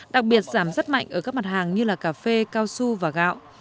đặc biệt giảm rất mạnh ở các mặt hàng như là cà phê cao su và gạo